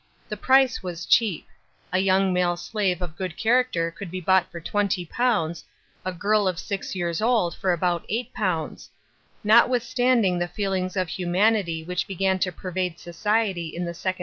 The price was cheap. A young male slave ot good character could be b"Ught tor £20, a girl of six years old 'or about £8. Notwithstanding tlie feelings of humanity which 1 egan to pervade society in thesrcoi.